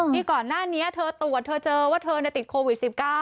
ที่ก่อนหน้านี้เธอตรวจเธอเจอว่าเธอติดโควิด๑๙